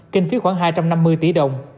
kinh phí khoảng hai trăm năm mươi tỷ đồng